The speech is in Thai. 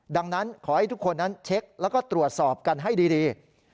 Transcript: ดังนั้นขอให้ทุกคนนั้นเช็คแล้วก็ตรวจสอบกันให้ดี